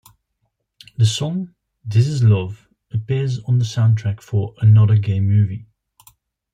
The song "This is Love" appears on the soundtrack for "Another Gay Movie".